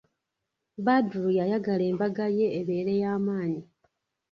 Badru yayagala embaga ye ebeere ya maanyi.